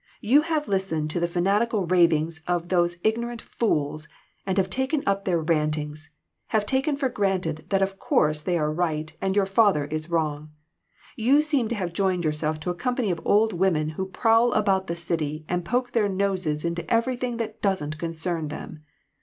You have listened to the fanatical ravings of those ignorant fools, and have taken up their rant ings ; have taken for granted that of course they are right, and your father is wrong. You seem to have joined yourself to a company of old women who prowl about the city and poke their noses into everything that doesn't concern them.